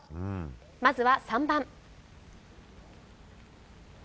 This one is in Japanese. まずは３番。